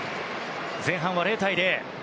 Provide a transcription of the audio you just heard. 前半は０対０。